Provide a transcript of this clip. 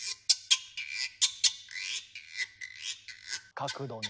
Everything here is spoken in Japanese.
角度ね。